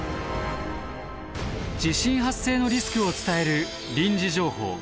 地震発生のリスクを伝える臨時情報。